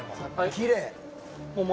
きれい。